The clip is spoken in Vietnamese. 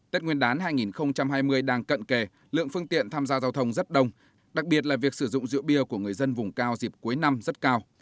tết nguyên đán hai nghìn hai mươi đang cận kề lượng phương tiện tham gia giao thông rất đông đặc biệt là việc sử dụng rượu bia của người dân vùng cao dịp cuối năm rất cao